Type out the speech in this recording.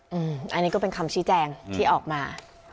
อันนี้ก็เป็นคำชี้แจงที่ออกมา